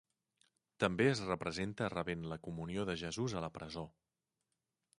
També es representa rebent la comunió de Jesús a la presó.